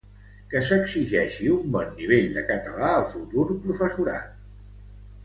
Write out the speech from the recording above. Que s'exigeixi un bon nivell de català al futur professorat.